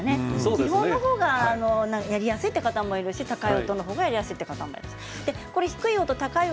基本の方がやりやすいという方もいますし高い音がやりやすいという方もいらっしゃいます。